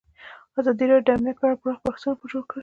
ازادي راډیو د امنیت په اړه پراخ بحثونه جوړ کړي.